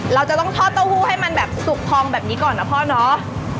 เราจะต้องทอดเต้าหู้ให้มันแบบสุกพองแบบนี้ก่อนนะพ่อเนาะ